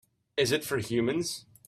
Is it for humans?